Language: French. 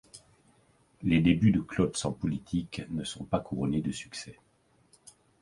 Les débuts de Klotz en politique ne sont pas couronnés de succès.